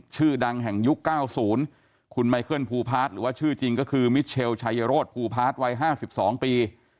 ชื่อดังแห่งยุค๙๐คุณไมเคิลภูพาร์ทหรือว่าชื่อจริงก็คือมิเชลชัยโรธภูพาร์ทวัย๕๒ปี